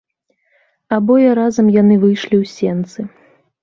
Абое разам яны выйшлі ў сенцы.